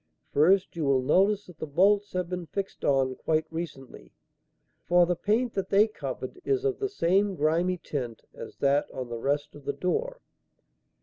First, you will notice that the bolts have been fixed on quite recently, for the paint that they covered is of the same grimy tint as that on the rest of the door.